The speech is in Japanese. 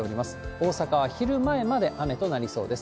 大阪は昼前まで雨となりそうです。